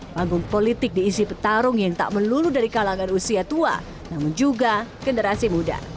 panggung politik diisi petarung yang tak melulu dari kalangan usia tua namun juga generasi muda